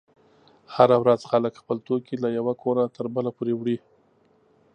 هره ورځ خلک خپل توکي له یوه کوره تر بله پورې وړي.